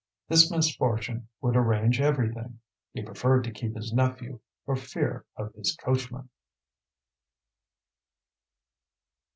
This misfortune would arrange everything; he preferred to keep his nephew for fear of his coachman.